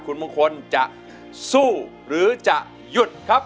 คุณมงคลจะสู้หรือจะหยุดครับ